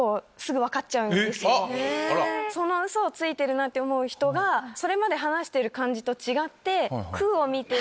ウソをついてるなって思う人がそれまで話している感じと違って。